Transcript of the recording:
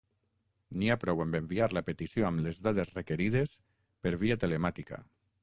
N'hi ha prou amb enviar la petició amb les dades requerides per via telemàtica.